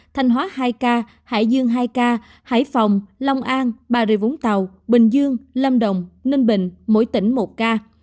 thanh hóa hai ca hải dương hai ca hải phòng long an bà rịa vũng tàu bình dương lâm đồng ninh bình mỗi tỉnh một ca